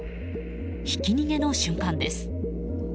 ひき逃げの瞬間です。